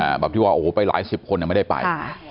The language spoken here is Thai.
แบบที่ว่าโอ้โหไปหลายสิบคนอ่ะไม่ได้ไปค่ะ